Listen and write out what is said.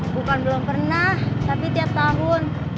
bukan belum pernah tapi tiap tahun